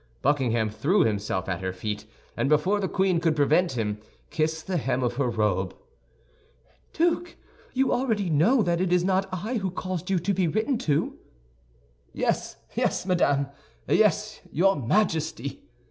Buckingham threw himself at her feet, and before the queen could prevent him, kissed the hem of her robe. "Duke, you already know that it is not I who caused you to be written to." "Yes, yes, madame! Yes, your Majesty!"